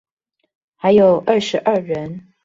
還有二十二人